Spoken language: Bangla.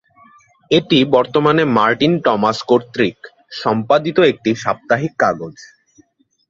এটি বর্তমানে মার্টিন টমাস কর্তৃক সম্পাদিত একটি সাপ্তাহিক কাগজ।